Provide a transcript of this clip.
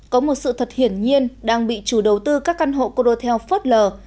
có một sự thật hiển nhiên đang bị chủ đầu tư các căn hộ condotel phớt lờ